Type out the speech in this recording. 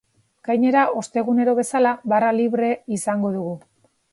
Gainera, ostegunero bezala, barra libre izango dugu.